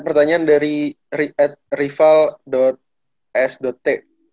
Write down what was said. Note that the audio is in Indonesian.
pertanyaan dari rival s t